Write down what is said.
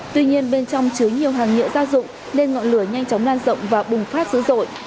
tuy nhiên bên trong chứa nhiều hàng nhựa gia dụng nên ngọn lửa nhanh chóng lan rộng và bùng phát dữ dội